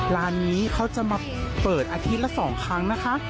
ร้านนี้เขาจะมาเปิดอาทิตย์ละ๒ครั้งนะคะ